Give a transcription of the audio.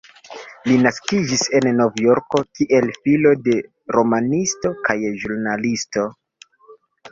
Li naskiĝis en Novjorko, kiel filo de romanisto kaj ĵurnalisto.